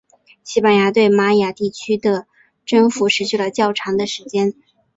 西班牙对玛雅地区的征服持续了较长的时间。